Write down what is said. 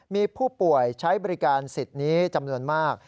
มีผู้ป่วยใช้บริการสิทธิ์นี้จำนวนมาก